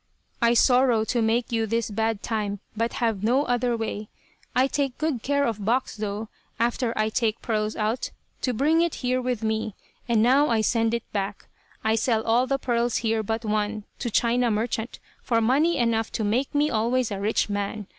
I sorrow to make you this bad time, but have no other way. I take good care of box, though, after I take pearls out, to bring it here with me, and now I send it back. I sell all the pearls here but one, to China merchant, for money enough to make me always a rich man.